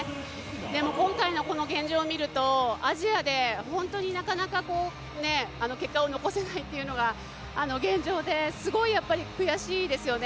でも今回の現状を見るとアジアで本当になかなか結果を残せないというのが現状で、すごい悔しいですよね。